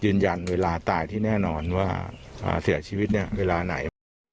ยืนยันเวลาตายที่แน่นอนว่าเสียชีวิตเนี่ยเวลาไหน